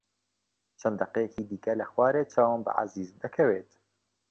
چەند دەقەیەکی دیکە لە خوارێ چاوم بە عەزیز دەکەوێت.